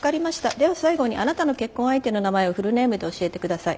では最後にあなたの結婚相手の名前をフルネームで教えてください。